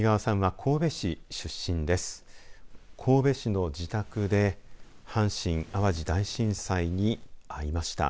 神戸市の自宅で阪神・淡路大震災に遭いました。